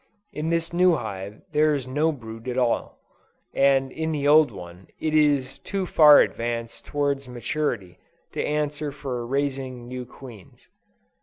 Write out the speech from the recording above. In the new hive there is no brood at all, and in the old one it is too far advanced towards maturity to answer for raising new queens.